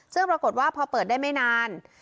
ซึ่งปรากฏว่าพอเปิดได้ไม่นาน